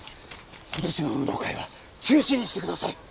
今年の運動会は中止にしてください。